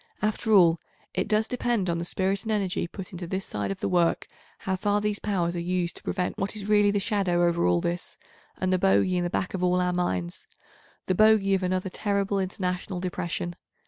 After all, it does depend on the spirit and energy put into this side of the work, how far these powers are used to prevent what is really the shadow over all this and the bogy in the back of all our minds—the bogy of another terrible international depression.